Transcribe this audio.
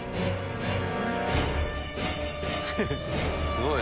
すごい！